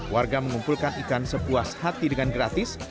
warga mengumpulkan ikan sepuas hati dengan gratis